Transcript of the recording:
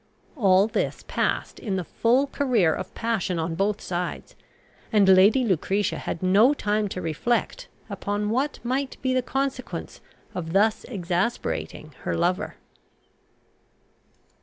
All this passed in the full career of passion on both sides, and Lady Lucretia had no time to reflect upon what might be the consequence of thus exasperating her lover.